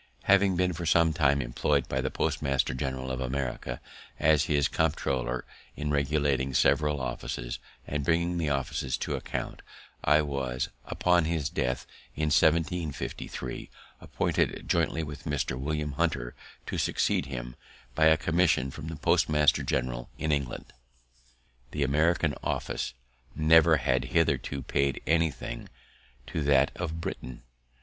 Having been for some time employed by the postmaster general of America as his comptroller in regulating several offices, and bringing the officers to account, I was, upon his death in 1753, appointed, jointly with Mr. William Hunter, to succeed him, by a commission from the postmaster general in England. The American office never had hitherto paid anything to that of Britain.